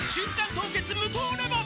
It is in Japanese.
凍結無糖レモン」